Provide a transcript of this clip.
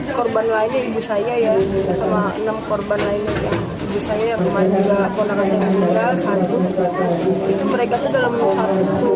sama enam korban lainnya ibu saya yang kemarin juga kondak asing jendal satu mereka dalam satu